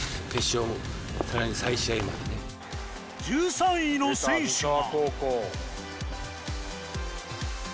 １３位の選手は。